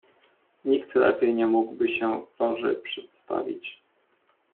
"Nikt lepiej nie mógłby się Loży przedstawić."